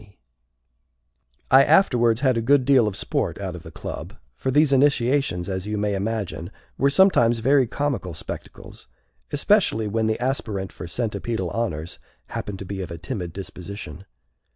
C. I afterwards had a good deal of sport out of the club, for these initiations, as you may imagine, were sometimes very comical spectacles, especially when the aspirant for centipedal honors happened to be of a timid disposition.